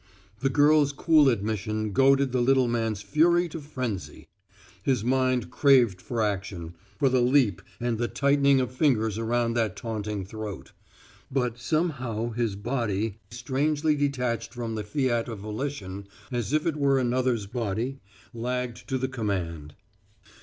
The girl's cool admission goaded the little man's fury to frenzy. His mind craved for action for the leap and the tightening of fingers around that taunting throat; but somehow his body, strangely detached from the fiat of volition as if it were another's body, lagged to the command.